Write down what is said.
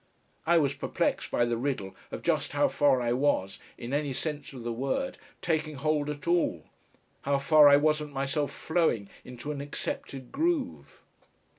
I was perplexed by the riddle of just how far I was, in any sense of the word, taking hold at all, how far I wasn't myself flowing into an accepted groove.